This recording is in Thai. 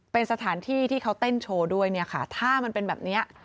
เป็นสถานที่ที่เขาเต้นโชว์ด้วยเนี่ยค่ะถ้ามันเป็นแบบเนี้ย